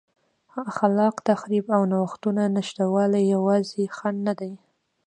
خلاق تخریب او نوښتونو نشتوالی یوازینی خنډ نه دی.